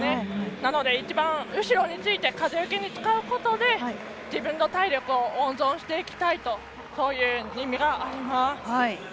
なので、後ろについて風よけに使うことで自分の体力を温存していきたいとそういう意味があります。